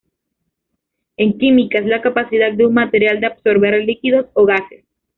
En Química, es la capacidad de un material de absorber líquidos o gases.